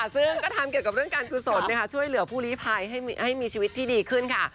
ซึ่งก็ทำเกี่ยวกับเรื่องการกุศลช่วยเหลือผู้ลีภัยให้มีชีวิตที่ดีขึ้นค่ะ